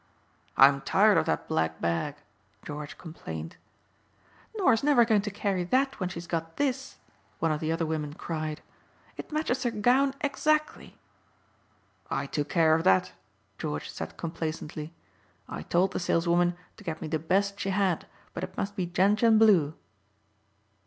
"I'm tired of that black bag," George complained. "Norah's never going to carry that when she's got this," one of the other women cried. "It matches her gown exactly." "I took care of that," George said complacently. "I told the saleswoman to get me the best she had but it must be gentian blue."